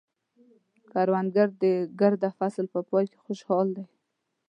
کروندګر د ګرده فصل په پای کې خوشحال دی